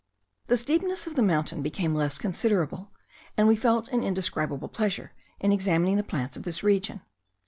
The steepness of the mountain became less considerable, and we felt an indescribable pleasure in examining the plants of this region.